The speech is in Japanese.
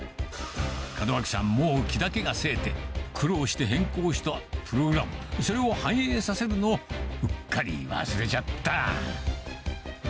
門脇さん、もう気だけがせいて、苦労して変更したプログラム、それを反映させるのをうっかり忘れちゃった。